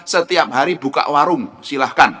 setiap hari buka warung silahkan